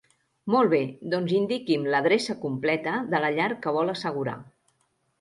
Molt bé, doncs indiqui'm l'adreça completa de la llar que vol assegurar.